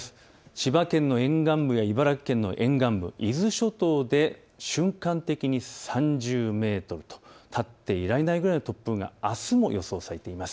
千葉県の沿岸部や茨城県の沿岸部、伊豆諸島で瞬間的に３０メートル、立っていられないくらいの突風があすも予想されています。